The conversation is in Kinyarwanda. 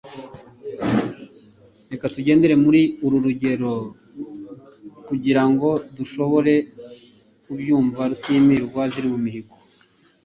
Reka tugendere kuri uru rugero kugira ngo dushobore kubyumva. Rutiimiirwa ziri mu mihigo